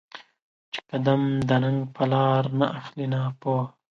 چې قـــــدم د ننــــــــګ په لار ناخلې ناپوهه